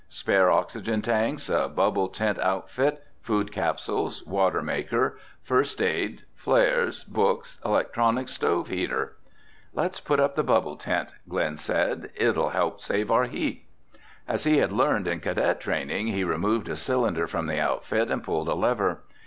"Spare oxygen tanks, a bubble tent outfit, food capsules, water maker, first aid, flares, books, electronic stove heater." "Let's put up the bubble tent," Glen said. "It'll help save our heat." As he had learned in cadet training, he removed a cylinder from the outfit and pulled a lever.